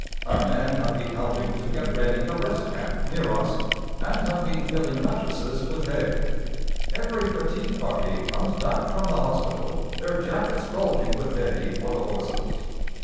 Our men have been helping to get ready a rest camp near us, and have been filling mattresses with hay. Every fatigue party comes back from the hospital, their jackets bulging with hay for the horses.